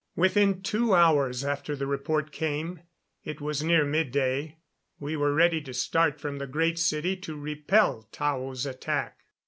Within two hours after the report came it was near midday we were ready to start from the Great City to repel Tao's attack.